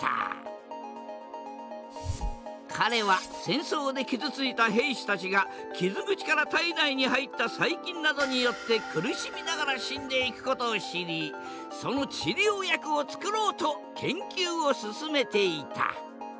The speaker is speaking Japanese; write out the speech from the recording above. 彼は戦争で傷ついた兵士たちが傷口から体内に入った細菌などによって苦しみながら死んでいくことを知りその治療薬をつくろうと研究を進めていた。